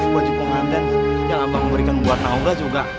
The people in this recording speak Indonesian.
baju pengandang yang abang memberikan buat naura juga